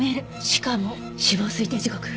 しかも死亡推定時刻。